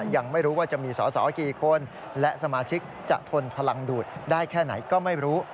ยังไม่รู้ว่าจะมีสอสอกี่คนและสมาชิกจะทนพลังดูดได้แค่ไหนก็ไม่รู้